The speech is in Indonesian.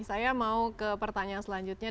saya mau ke pertanyaan selanjutnya